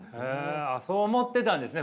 あそう思ってたんですね